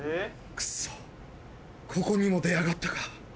クソここにも出やがったか。